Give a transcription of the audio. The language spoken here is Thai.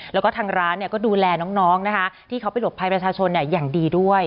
แล้วก็ทางร้านก็ดูแลน้องนะคะที่เขาไปหลบภัยประชาชนอย่างดีด้วย